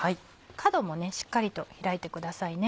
角もしっかりと開いてください。